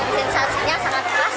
sensasinya sangat keras